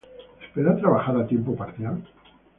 ¿Espera trabajar medio tiempo?